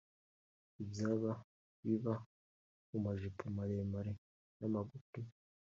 Ibyaha biba mu majipo maremare n’amagufi